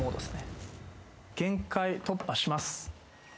限界突破します。